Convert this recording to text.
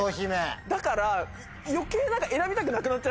だから余計。